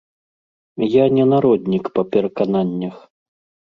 Я не народнік па перакананнях.